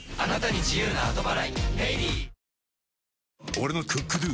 俺の「ＣｏｏｋＤｏ」！